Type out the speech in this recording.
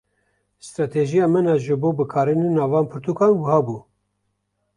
Stratejiya min a ji bo bikaranîna van pirtûkan wiha bû.